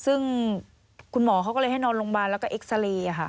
ซึ่งคุณหมอเขาก็เลยให้นอนโรงพยาบาลแล้วก็เอ็กซาเรย์ค่ะ